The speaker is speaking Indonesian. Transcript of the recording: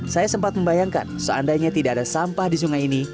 saya sempat membayangkan seandainya tidak ada sampah di sungai ini